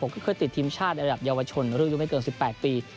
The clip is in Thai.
ก็เคยติดทีมชาติระดับเยาวชนรุ่นยุคไม่เกิน๑๘ปี